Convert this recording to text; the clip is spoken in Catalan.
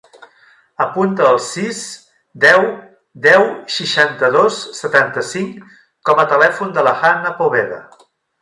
Apunta el sis, deu, deu, seixanta-dos, setanta-cinc com a telèfon de la Hannah Poveda.